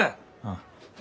ああ。